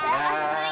terima kasih pak